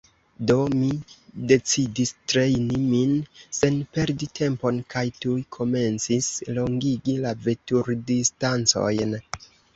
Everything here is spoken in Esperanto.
Do, mi decidis trejni min sen perdi tempon kaj tuj komencis longigi la veturdistancojn.